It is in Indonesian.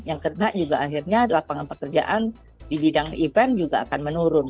yang kena juga akhirnya lapangan pekerjaan di bidang event juga akan menurun